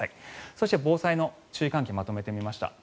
そして防災の注意喚起をまとめてみました。